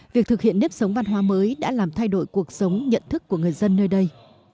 việc thực hiện nếp sống văn hóa mới đã làm thay đổi cuộc sống nhận thức của người dân nơi đây